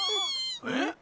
えっ？